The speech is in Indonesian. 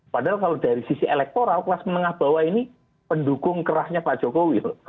padahal kalau dari sisi elektoral kelas menengah bawah ini pendukung kerasnya pak jokowi